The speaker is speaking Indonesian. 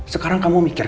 sekarang kamu mikir